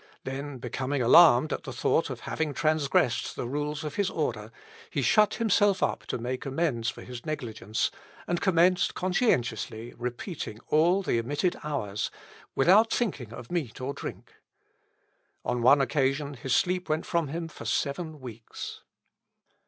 Then becoming alarmed at the thought of having transgressed the rules of his order, he shut himself up to make amends for his negligence, and commenced conscientiously repeating all the omitted Hours, without thinking of meat or drink. On one occasion his sleep went from him for seven weeks.